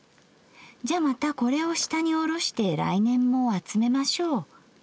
『じゃまたこれを下におろして来年も集めましょう』